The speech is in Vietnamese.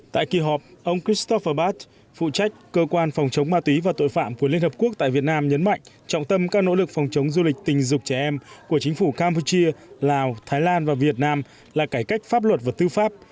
tại kỳ họp ông christopherbat phụ trách cơ quan phòng chống ma túy và tội phạm của liên hợp quốc tại việt nam nhấn mạnh trọng tâm các nỗ lực phòng chống du lịch tình dục trẻ em của chính phủ campuchia lào thái lan và việt nam là cải cách pháp luật và tư pháp